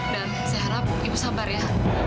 dan saya harap ibu sabar ya